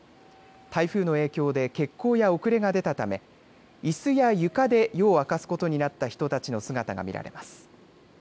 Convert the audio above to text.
台風の影響で欠航や遅れが出たため、いすや床で夜を明かすことになった人たちの姿が見られます。